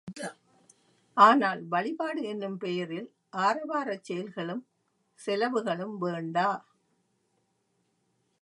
ஆனால், வழிபாடு என்னும் பெயரில், ஆரவாரச் செயல்களும் செலவுகளும் வேண்டா.